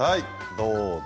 どうぞ。